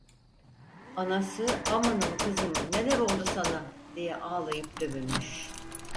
Anası: "Amanın kızım, neler oldu sana?" diye ağlayıp dövünmüş.